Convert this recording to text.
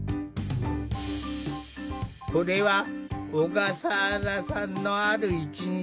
これは小笠原さんのある一日。